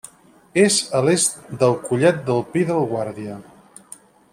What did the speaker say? És a l'est del Collet del Pi del Guàrdia.